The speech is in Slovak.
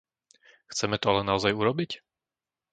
Chceme to ale naozaj urobiť?